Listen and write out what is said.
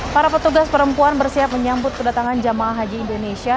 para petugas perempuan bersiap menyambut kedatangan jemaah haji indonesia